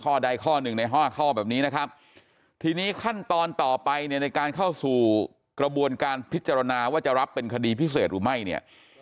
ข้อใดข้อหนึ่งใน๕ข้อแบบนี้นะครับทีนี้ขั้นตอนต่อไปเนี่ยในการเข้าสู่กระบวนการพิจารณาว่าจะรับเป็นคดีพิเศษหรือไม่เนี่ย